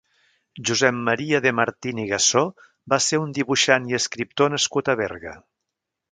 Josep Maria de Martín i Gassó va ser un dibuixant i escriptor nascut a Berga.